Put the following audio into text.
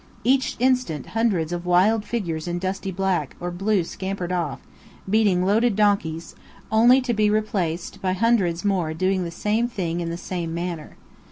Each instant hundreds of wild figures in dusty black or blue scampered off, beating loaded donkeys, only to be replaced by hundreds more doing the same thing in the same manner.